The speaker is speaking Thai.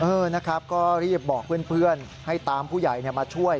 เออนะครับก็รีบบอกเพื่อนให้ตามผู้ใหญ่มาช่วย